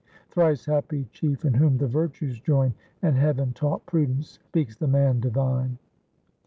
Thrice happy Chief in whom the virtues join, And heaven taught prudence speaks the man divine."